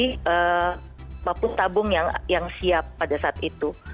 maupun tabung yang siap pada saat itu